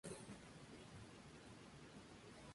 A cada lado de Ra hay cuatro babuinos.